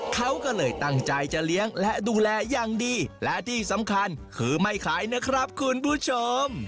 เขาก็เลยตั้งใจจะเลี้ยงและดูแลอย่างดีและที่สำคัญคือไม่ขายนะครับคุณผู้ชม